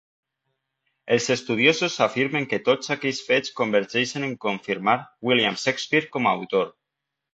Els estudiosos afirmen que tots aquests fets convergeixen en confirmar William Shakespeare com a autor.